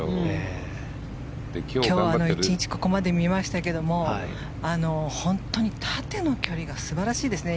今日は１日ここまで見ましたが本当に縦の距離が素晴らしいですね。